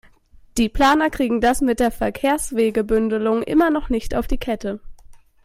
Die Planer kriegen das mit der Verkehrswegebündelung immer noch nicht auf die Kette.